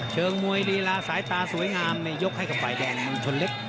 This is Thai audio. เชิงมวยฤลาสายตาสวยงามไม่ยกให้กับไฟแดงมันชนเล็ก